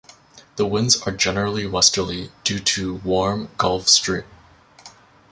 The winds are generally westerly, due to warm Gulf Stream.